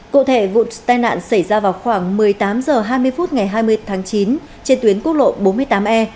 cụ thể vụ tai nạn xảy ra vào khoảng một mươi tám h hai mươi phút ngày hai mươi tháng chín trên tuyến quốc lộ bốn mươi tám e